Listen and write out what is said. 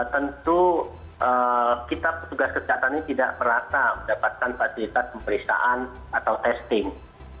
tentu kita petugas kesehatan ini tidak merata mendapatkan fasilitas pemeriksaan atau testing